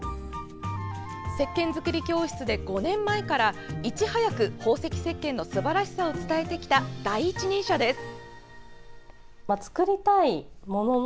せっけん作り教室で５年前から、いち早く宝石せっけんのすばらしさを伝えてきた第一人者です。